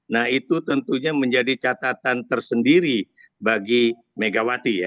nah itu tentunya menjadi catatan tersendiri bagi megawati ya